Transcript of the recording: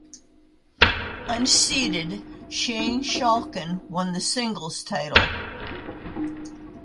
Unseeded Sjeng Schalken won the singles title.